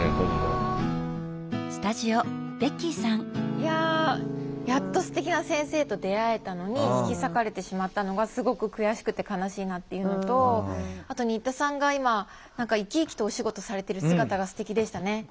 いややっとすてきな先生と出会えたのに引き裂かれてしまったのがすごく悔しくて悲しいなっていうのとあと新田さんが今何か生き生きとお仕事されてる姿がすてきでしたね。